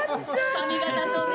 髪形とね。